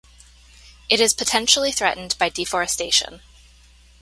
It is potentially threatened by deforestation.